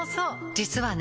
実はね